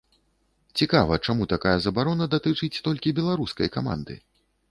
Цікава, чаму такая забарона датычыць толькі беларускай каманды?